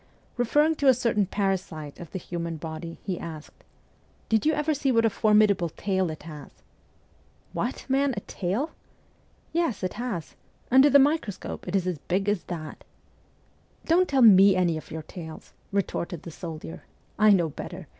Referring to a certain parasite of the human body, he asked, ' Did you ever see what a formidable tail it has ?'' "What, man, a tail ?'' Yes it has ; under the microscope it is as big as that.' ' Don't tell me any of your tales !' retorted the soldier. ' I know better.